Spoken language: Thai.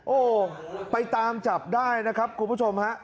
โอ้โหไปตามจับได้นะครับคุณผู้ชมฮะ